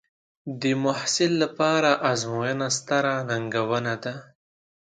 د محصل لپاره ازموینه ستره ننګونه ده.